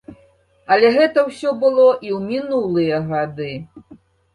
Але гэта ўсё было і ў мінулыя гады.